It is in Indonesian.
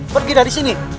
pergi dari sini